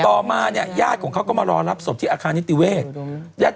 ต่อมายาดเขาก็มารอรับศพที่อาคารนิติเวค